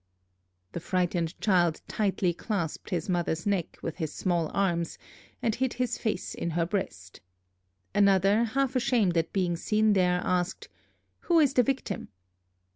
The frightened child tightly clasped his mother's neck with his small arms, and hid his face in her breast. Another, half ashamed at being seen there, asked, "Who is the victim?"